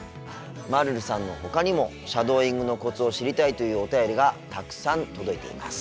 まるるさんのほかにもシャドーイングのコツを知りたいというお便りがたくさん届いています。